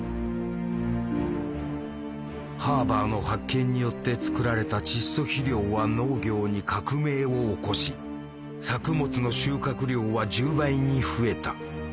ハーバーの発見によって作られた窒素肥料は農業に革命を起こし作物の収穫量は１０倍に増えた。